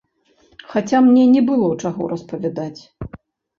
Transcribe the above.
Хаця мне не было, чаго распавядаць!